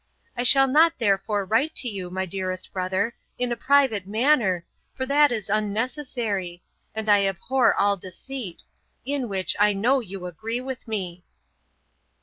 I shall not therefore write to you, my dearest brother, in a private manner, for it is unnecessary, and I abhor all deceit; in which I know you agree with me.'